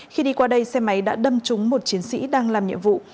khi đi qua đây xe máy đã đâm trúng một chiến sĩ đang làm nhiệm vụ